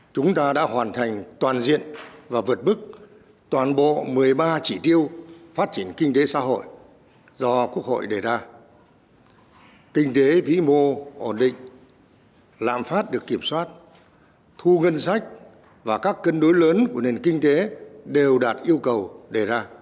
những thành tựu đạt được khá toàn diện trên các lĩnh vực đã góp phần củng cố niềm tin